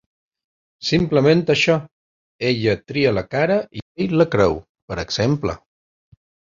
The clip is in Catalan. Simplement això: «ella tria la cara i ell la creu», per exemple.